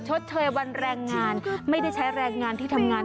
ชดเชยวันแรงงานไม่ได้ใช้แรงงานที่ทำงาน